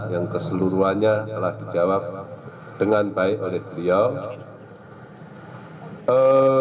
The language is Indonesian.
yang keseluruhannya telah dijawab dengan baik oleh beliau